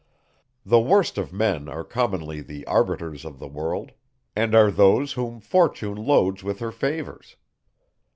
The worst of men are commonly the arbiters of the world, and are those whom fortune loads with her favours.